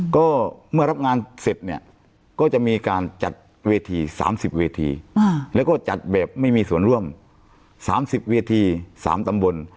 ก็เมื่อรับงานเสร็จเนี่ยก็จะมีการจัดเวที๓๐เวทีแล้วก็จัดแบบไม่มีส่วนร่วม๓๐เวที๓ตำบล